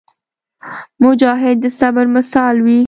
مجاهد د صبر مثال وي.